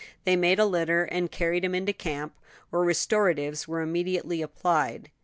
They made a litter and carried him into camp, where restoratives were immediately applied.